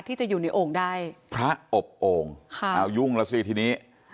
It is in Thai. ที่จะอยู่ในโอ่งได้พระอบโอ่งค่ะอ้าวยุ่งแล้วสิทีนี้